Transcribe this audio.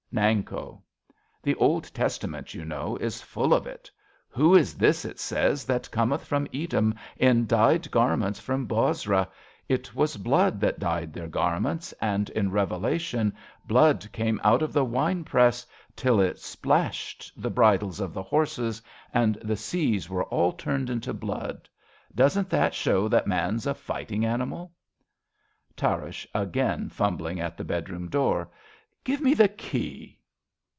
Nanko. The Old Testament, you know, is full of it. Who is this, it says, that cometh from Edom, In dyed garments from Bozrah ? It was blood That dyed their garments. And in Revelation Blood came out of the wine press, till it splashed D 33 RADA The bridles of the horses ; and the seas Were all turned into blood. Doesn't that show That man's a fighting animal ? Tarrasch {again fumhling at the bed room door). Give me the key.